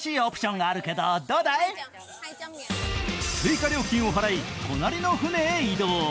追加料金を払い、隣の舟へ移動。